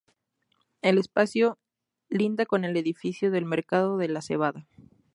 El espacio linda con el edificio del Mercado de la Cebada.